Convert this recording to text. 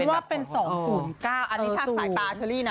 ว่าเป็น๒๐๙อันนี้ถ้าสายตาเชอรี่นะ